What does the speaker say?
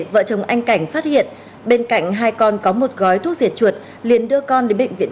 vợ chồng anh cảnh phát hiện bên cạnh hai con có một gói thuốc diệt chuột liền đưa con đến bệnh viện